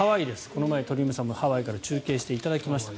この前、鳥海さんもハワイから中継していただきました。